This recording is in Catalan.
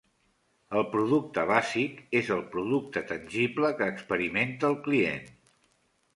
El producte bàsic és el producte tangible que experimenta el client.